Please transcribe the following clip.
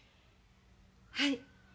はい。